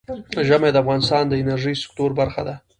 ژمی د افغانستان د انرژۍ سکتور برخه ده.